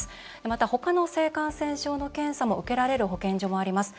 また他の性感染症の検査も受けられる保健所もあります。